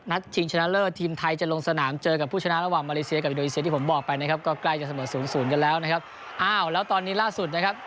นี่คือ๑๕นาทีนะครับซึ่งต้องจะไทยชิงกับมาเมรานนะครับ